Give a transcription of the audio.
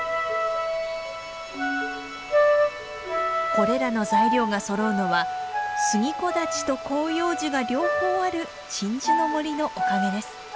これらの材料がそろうのは杉木立と広葉樹が両方ある鎮守の森のおかげです。